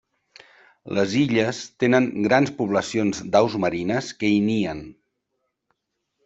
Les illes tenen grans poblacions d'aus marines que hi nien.